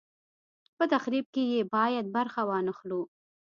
په تخریب کې یې باید برخه وانه خلو.